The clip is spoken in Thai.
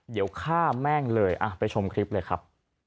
เดี๋ยวฆ่าแม่งเลยไปชมคลิปเลยครับ